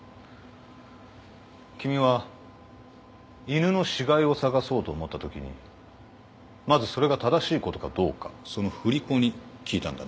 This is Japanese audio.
君は犬の死骸を捜そうと思ったときにまずそれが正しいことかどうかその振り子に聞いたんだね？